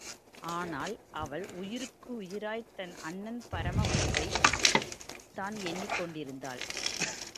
ஆனால், அவள் உயிருக்குயிராய் தன் அண்ணன் பரமகுருவைத் தான் எண்ணிக் கொண்டிருந்தாள்.